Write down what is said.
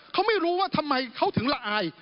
เขาไม่รู้ว่าทำไมเขาถึงละอาย